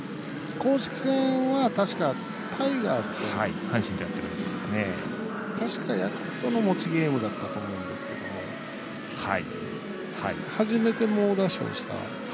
公式戦は、確かタイガースとの試合でヤクルトの持ちゲームだったと思うんですけど初めて、猛打賞をした。